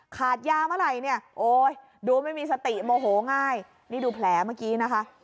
ขาดยาเมื่อไหร่เนี่ยโอ้ยดูไม่มีสติโมโหง่ายนี่ดูแผลเมื่อกี้นะคะ